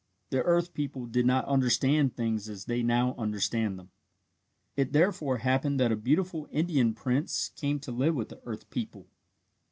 The earth people did not understand things as they now understand them. It therefore happened that a beautiful Indian prince came to live with the earth people.